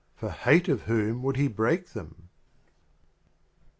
For Hate of whom would He break them?